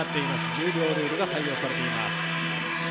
１０秒ルールが採用されています。